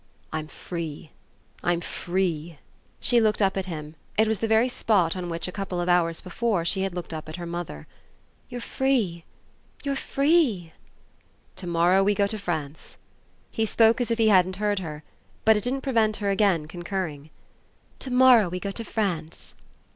"I'm free I'm free." She looked up at him; it was the very spot on which a couple of hours before she had looked up at her mother. "You're free you're free." "To morrow we go to France." He spoke as if he hadn't heard her; but it didn't prevent her again concurring. "To morrow we go to France."